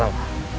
ya ibu semua sama